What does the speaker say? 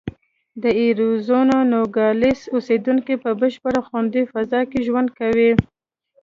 د اریزونا نوګالس اوسېدونکي په بشپړه خوندي فضا کې ژوند کوي.